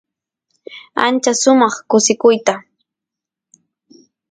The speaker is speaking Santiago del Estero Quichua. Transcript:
ancha sumaq kusikuyta